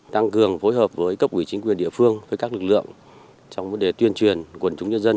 tăng cường phối hợp với cấp ủy chính quyền địa phương với các lực lượng trong vấn đề tuyên truyền quần chúng nhân dân